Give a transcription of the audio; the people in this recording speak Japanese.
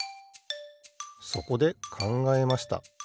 そこでかんがえました。